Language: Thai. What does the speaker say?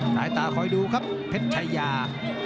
สายตาคอยดูครับเพชรชายา